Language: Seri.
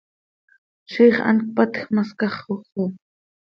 Ziix hant cpatj ma scaxoj xo!